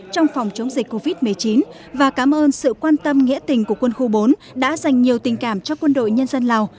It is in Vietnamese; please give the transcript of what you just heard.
trong phòng chống dịch covid một mươi chín và cảm ơn sự quan tâm nghĩa tình của quân khu bốn đã dành nhiều tình cảm cho quân đội nhân dân lào